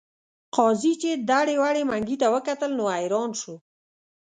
قاضي چې دړې وړې منګي ته وکتل نو حیران شو.